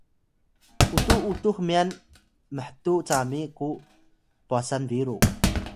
utux utux myan mhtuw cami ku pwasan biru